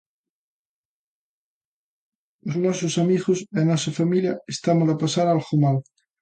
Os nosos amigos e a nosa familia estámolo a pasar algo mal.